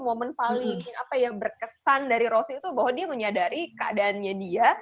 momen paling berkesan dari rossi itu bahwa dia menyadari keadaannya dia